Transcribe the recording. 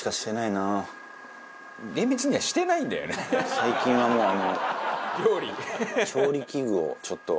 最近はもうあの。